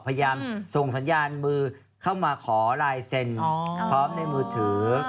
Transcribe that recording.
พยายามส่งสัญญาณมือเข้ามาขอลายเซ็นพร้อมในมือถือ